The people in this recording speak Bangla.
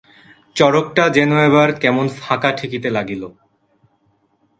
চড়কটা যেন এবার কেমন ফাঁকা ঠেকিতে লাগিল।